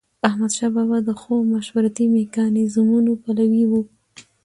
احمدشاه بابا د ښو مشورتي میکانیزمونو پلوي و.